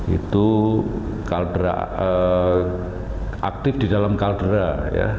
itu aktif di dalam kaldera ya